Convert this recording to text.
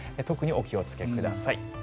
特にお気をつけください。